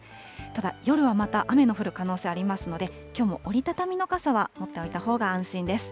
ただ、夜はまた雨の降る可能性ありますので、きょうも折り畳みの傘は持っておいたほうが安心です。